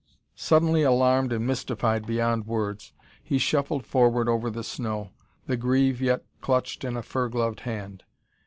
Suddenly alarmed and mystified beyond words, he shuffled forward over the snow, the greave yet clutched in a fur gloved hand.